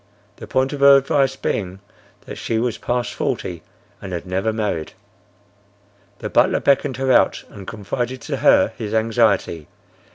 The point of her advice being that she was past forty and had never married. The butler beckoned her out and confided to her his anxiety.